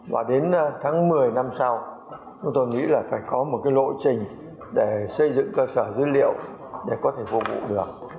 và đến tháng một mươi năm sau chúng tôi nghĩ là phải có một lộ trình để xây dựng cơ sở dữ liệu để có thể phục vụ được